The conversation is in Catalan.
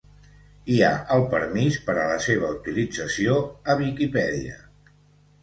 Hi ha el permís per a la seva utilització a Viquipèdia.